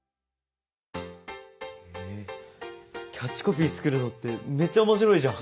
へえキャッチコピー作るのってめっちゃ面白いじゃん！